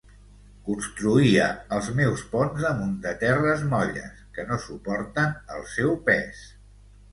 Construïa els meus ponts damunt de terres molles, que no suporten el seu pes.